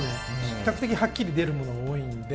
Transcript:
比較的はっきり出るものが多いんで。